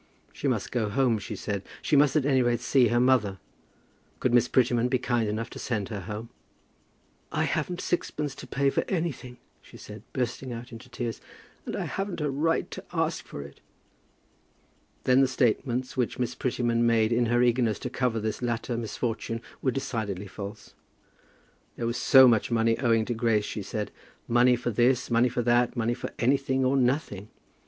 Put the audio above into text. She must go home, she said. She must at any rate see her mother. Could Miss Prettyman be kind enough to send her home. "I haven't sixpence to pay for anything," she said, bursting out into tears; "and I haven't a right to ask for it." Then the statements which Miss Prettyman made in her eagerness to cover this latter misfortune were decidedly false. There was so much money owing to Grace, she said; money for this, money for that, money for anything or nothing!